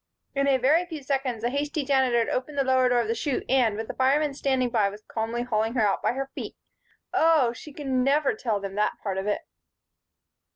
In a very few seconds, the hasty Janitor had opened the lower door of the chute and, with the firemen standing by, was calmly hauling her out by her feet Oh! She could never tell that part of it.